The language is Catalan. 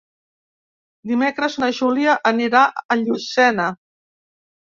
Dimecres na Júlia anirà a Llucena.